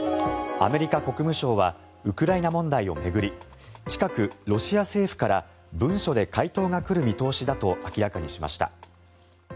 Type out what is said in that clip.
アメリカ国務省はウクライナ問題を巡り近く、ロシア政府から文書で回答が来る見通しだと明らかにしました。